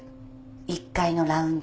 １階のラウンジで。